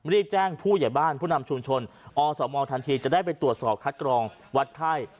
รีบแจ้งผู้ใหญ่บ้านผู้นำชุมชนอสมทันทีจะได้ไปตรวจสอบคัดกรองวัดไข้